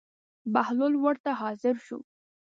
بهلول ورته حاضر شو.